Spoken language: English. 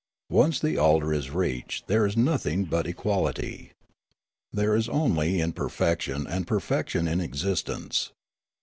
Once the altar is reached there is nothing but equality. There is only imperfection and perfection in existence.